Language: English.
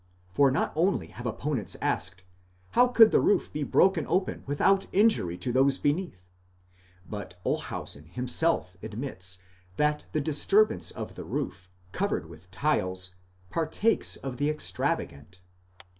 For not only have opponents asked, how could the roof be broken ' open without injury to those beneath? 1° but Olshausen himself admits that ' the disturbance of the roof, covered with tiles, partakes of the extravagant.!!